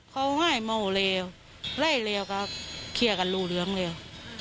เขาให้มองเลวไล่เลวก็เคลียร์กันรูเหลืองเร็ว